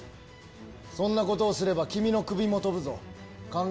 そんなことをすれば君の首も飛ぶぞ。